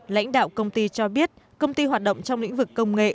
lãnh đạo công ty cho biết công ty hoạt động trong lĩnh vực công nghệ